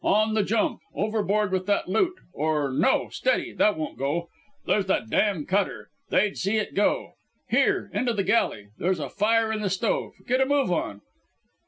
"On the jump! Overboard with that loot! or no. Steady! That won't do. There's that dam' cutter. They'd see it go. Here! into the galley. There's a fire in the stove. Get a move on!"